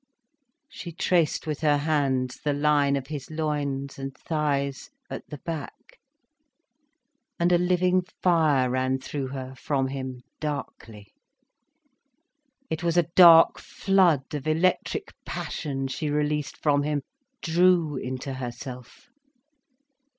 She traced with her hands the line of his loins and thighs, at the back, and a living fire ran through her, from him, darkly. It was a dark flood of electric passion she released from him, drew into herself.